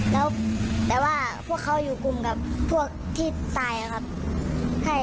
แล้วแต่ว่าพวกเขาอยู่กลุ่มกับพวกที่ตายครับ